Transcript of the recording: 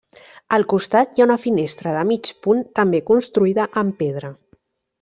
Al costat hi ha una finestra de mig punt, també construïda amb pedra.